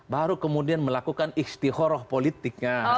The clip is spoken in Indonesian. baru kemudian melakukan istihoroh politiknya